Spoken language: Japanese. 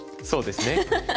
そうですね。